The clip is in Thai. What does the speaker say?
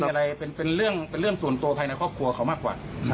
อะไรเป็นเรื่องส่วนตัวภายในครอบครัวเขามากกว่า